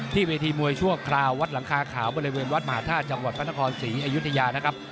เวทีมวยชั่วคราววัดหลังคาขาวบริเวณวัดมหาธาตุจังหวัดพระนครศรีอยุธยานะครับ